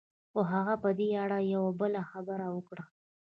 خو هغه په دې اړه يوه بله خبره وکړه.